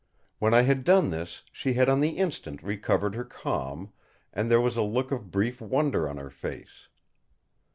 When I had done this, she had on the instant recovered her calm, and there was a look of brief wonder on her face.